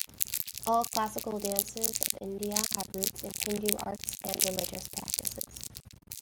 All classical dances of India have roots in Hindu arts and religious practices.